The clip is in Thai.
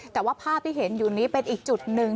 แต่ว่าภาพที่เห็นอยู่นี้เป็นอีกจุดหนึ่ง